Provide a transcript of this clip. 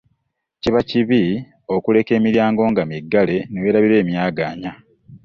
Kiba kibi okuleka emiryango nga miggale newerabira emyaganya .